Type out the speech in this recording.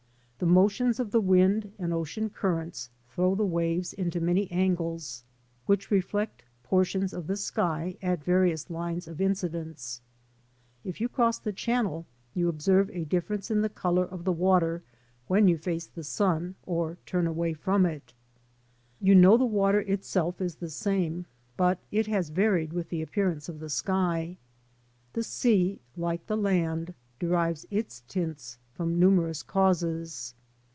The motions of the wind and ocean currents throw the waves into many angles, which reflect portions of the sky at various lines of incidence. If you cross the Channel, you observe a difference in the colour of the water when you face the sun or turn away from it. You know the water itself is the same, but it has varied with the appearance of the sky. The sea, like the land, derives its tints from numerous causes.